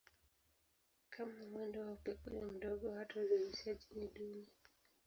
Kama mwendo wa upepo ni mdogo hata uzalishaji ni duni.